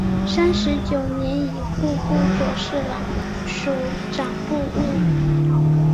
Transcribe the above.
三十九年以户部左侍郎署掌部务。